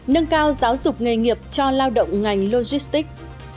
nâng cao giáo dục nghề nghiệp cho lao động ngành logistics